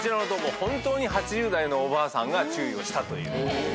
本当に８０代のおばあさんが注意をしたという。